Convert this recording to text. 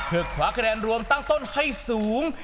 เพื่อคว้าคะแนนรวมตั้งต้นให้สูง